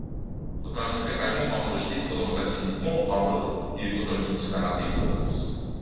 大人の世界も守るし、子どもたちも守るということにつながっていくと思います。